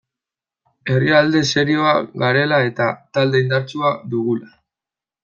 Herrialde serioa garela eta talde indartsua dugula.